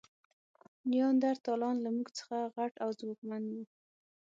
نیاندرتالان له موږ څخه غټ او ځواکمن وو.